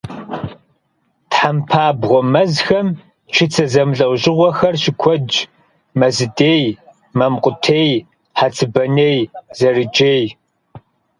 Тхьэмпабгъуэ мэзхэм чыцэ зэмылӀэужьыгъуэхэр щыкуэдщ: мэзыдей, мамкъутей, хъэцыбаней, зэрыджей.